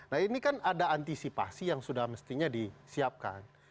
nah ini kan ada antisipasi yang sudah mestinya disiapkan